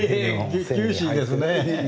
厳しいですね。